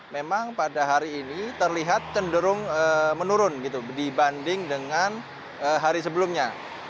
memang pada hari ini terlihat cenderung menurun gitu dibanding dengan hari sebelumnya